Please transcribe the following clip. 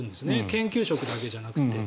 研究職だけじゃなくて。